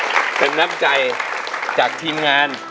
น้ำใจจากทีมงาน